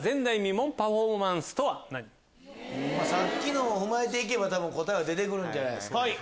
さっきのを踏まえて行けば答えは出て来るんじゃないですか。